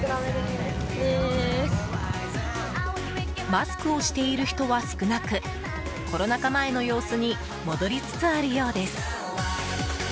マスクをしている人は少なくコロナ禍前の様子に戻りつつあるようです。